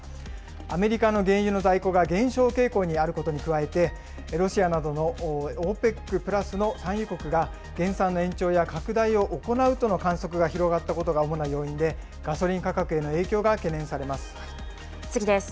アメリカの原油の在庫が減少傾向にあることに加えて、ロシアなどのＯＰＥＣプラスの産油国が減産の延長や拡大を行うとの観測が広がったことが主な要因で、ガソリン価格への影響が懸念次です。